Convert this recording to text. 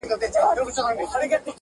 اوسېدلی نه په جبر نه په زور وو -